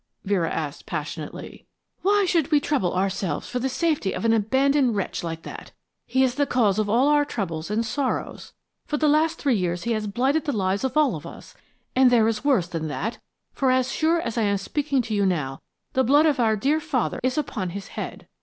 Vera asked, passionately. "Why should we trouble ourselves for the safety of an abandoned wretch like that? He is the cause of all our troubles and sorrows. For the last three years he has blighted the lives of all of us, and there is worse than that for, as sure as I am speaking to you now, the blood of our dear father is upon his head."